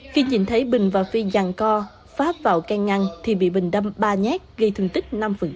khi nhìn thấy bình và phi dàn co pháp vào can ngăn thì bị bình đâm ba nhát gây thương tích năm